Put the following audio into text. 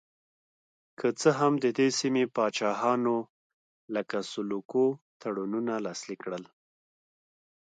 که څه هم د دې سیمې پاچاهانو لکه سلوکو تړونونه لاسلیک کړل.